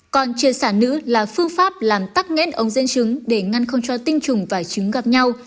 còn chia sản nữ là phương pháp làm tắc nghẽn ống dẫn trứng để ngăn không cho tinh trùng và trứng gặp nhau